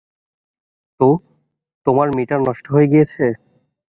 তো, তোমার মিটার নষ্ট হয়ে গিয়েছে।